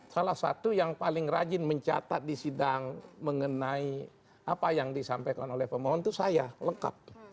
salah satu yang paling rajin mencatat di sidang mengenai apa yang disampaikan oleh pemohon itu saya lengkap